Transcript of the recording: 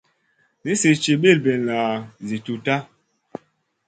Nisi ci bilbilla zi dutta.